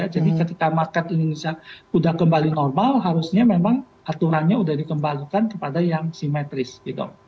jadi ketika market indonesia udah kembali normal harusnya memang aturannya udah dikembalikan kepada yang simetris gitu